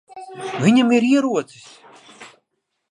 Viņam ir ierocis.